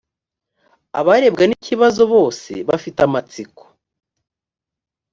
abarebwa n ikibazo bose bafite amatsiko